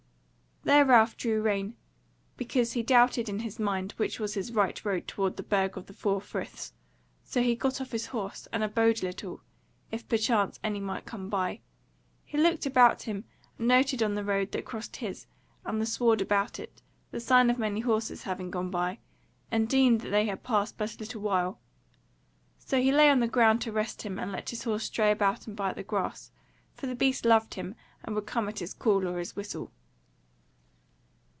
There Ralph drew rein, because he doubted in his mind which was his right road toward the Burg of the Four Friths; so he got off his horse and abode a little, if perchance any might come by; he looked about him, and noted on the road that crossed his, and the sward about it, the sign of many horses having gone by, and deemed that they had passed but a little while. So he lay on the ground to rest him and let his horse stray about and bite the grass; for the beast loved him and would come at his call or his whistle.